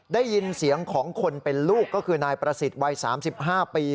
ได้ยินเสียงของคนเป็นลูกก็คือนายประสิทธิ์วัย๓๕ปี